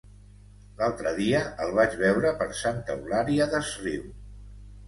L'altre dia el vaig veure per Santa Eulària des Riu.